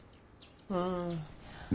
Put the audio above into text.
うん。